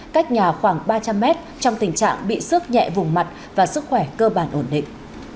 cách nhà khoảng ba trăm linh mét trong tình trạng bị sức nhẹ vùng mặt và sức khỏe cơ bản ổn định